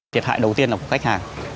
thiệt hại đầu tiên là của khách hàng